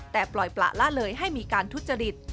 แต่ปล่อยประละเลยให้มีการทุจริต